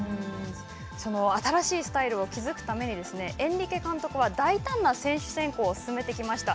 その新しいスタイルを築くためにエンリケ監督は大胆な選手選考を進めてきました。